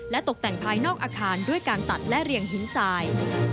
ตกแต่งภายนอกอาคารด้วยการตัดและเรียงหินสาย